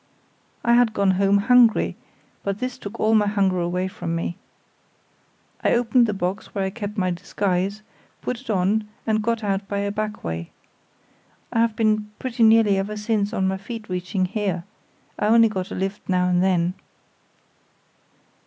I had gone home hungry, but this took all my hunger away from me. I opened the box where I kept my disguise, put it on, and got out by a back way. I have been pretty nearly ever since on my feet reaching here; I only got a lift now and then."